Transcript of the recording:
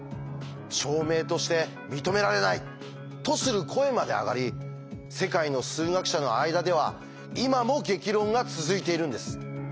「証明として認められない！」とする声まで上がり世界の数学者の間では今も激論が続いているんです。